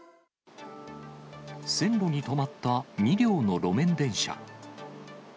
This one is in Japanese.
線路に止まった２両の路面電車。